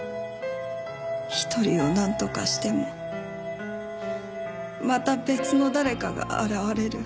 １人をなんとかしてもまた別の誰かが現れる。